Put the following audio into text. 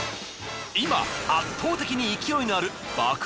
今圧倒的に勢いのある爆